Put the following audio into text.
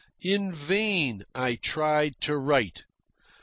In vain I tried to write.